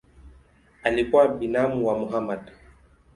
Alikuwa binamu wa Mohamed.